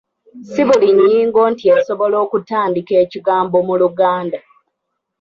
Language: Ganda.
Si buli nnyingo nti esobola okutandiika ekigambo mu Luganda.